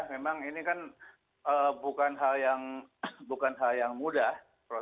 memang ini kan bukan hal yang mudah